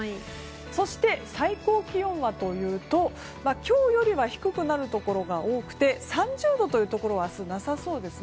そして、最高気温はというと今日よりは低くなるところが多くて、３０度というところは明日はなさそうです。